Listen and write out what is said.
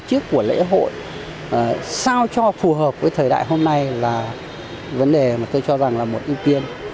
tổ chức của lễ hội sao cho phù hợp với thời đại hôm nay là vấn đề mà tôi cho rằng là một ưu tiên